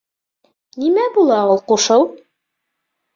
Нимә була ул ҡушыу?